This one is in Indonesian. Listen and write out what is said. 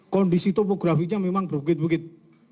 kondisi topografi nya memang berbukit bukit